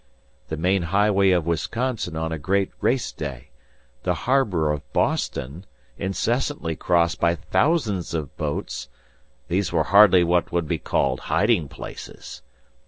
The main highway of Wisconsin on a great race day, the harbor of Boston, incessantly crossed by thousands of boats, these were hardly what would be called hiding places!